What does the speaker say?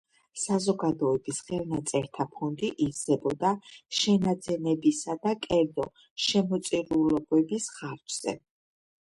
საზოგადოების ხელნაწერთა ფონდი ივსებოდა შენაძენებისა და კერძო შემოწირულობების ხარჯზე.